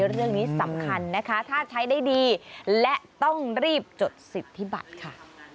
เรื่องนี้สำคัญนะคะถ้าใช้ได้ดีและต้องรีบจดสิทธิบัตรค่ะ